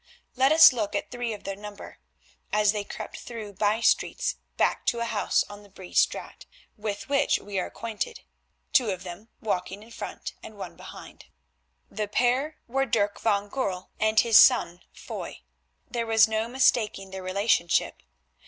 Let us look at three of their number as they crept through bye streets back to a house on the Bree Straat with which we are acquainted, two of them walking in front and one behind. The pair were Dirk van Goorl and his son Foy—there was no mistaking their relationship.